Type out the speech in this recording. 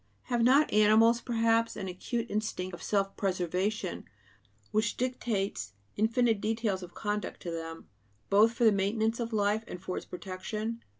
Have not animals, perhaps, an acute instinct of self preservation, which dictates infinite details of conduct to them, both for the maintenance of life and for its protection?